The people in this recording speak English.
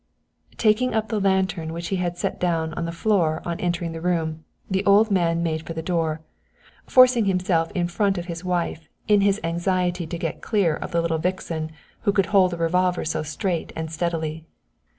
Taking up the lantern which he had set down on the floor on entering the room, the old man made for the door, forcing himself in front of his wife in his anxiety to get clear of the little vixen who could hold a revolver so straight and steady.